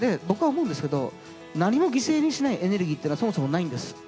僕は思うんですけど何も犠牲にしないエネルギーっていうのはそもそもないんです。